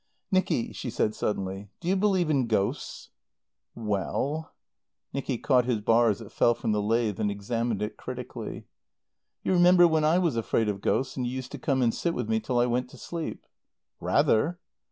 "Nicky," she said suddenly, "do you believe in ghosts?" "Well " Nicky caught his bar as it fell from the lathe and examined it critically. "You remember when I was afraid of ghosts, and you used to come and sit with me till I went to sleep?" "Rather."